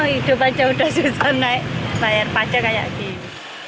hidup aja udah susah naik bayar pajak kayak gini